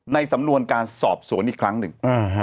สำนวนการสอบสวนอีกครั้งหนึ่ง